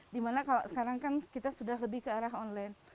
dimana kalau sekarang kan kita sudah lebih ke arah online